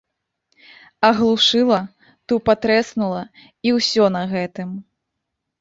Аглушыла, тупа трэснула, і ўсё на гэтым.